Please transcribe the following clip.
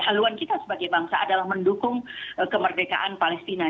haluan kita sebagai bangsa adalah mendukung kemerdekaan palestina